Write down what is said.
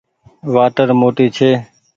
وآٽر موٽي ڇي۔